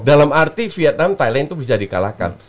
dalam arti vietnam thailand itu bisa di kalahkan